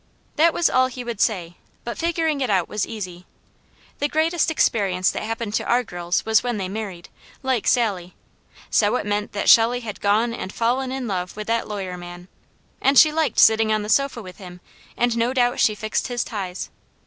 That was all he would say, but figuring it out was easy. The greatest experience that happened to our girls was when they married, like Sally, so it meant that Shelley had gone and fallen in love with that lawyer man, and she liked sitting on the sofa with him, and no doubt she fixed his ties.